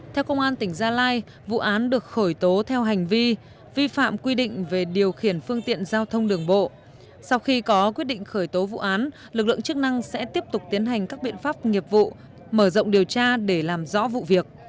theo công an tỉnh gia lai vụ án được khởi tố theo hành vi vi phạm quy định về điều khiển phương tiện giao thông đường bộ sau khi có quyết định khởi tố vụ án lực lượng chức năng sẽ tiếp tục tiến hành các biện pháp nghiệp vụ mở rộng điều tra để làm rõ vụ việc